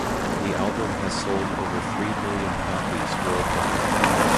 The album has sold over three million copies worldwide.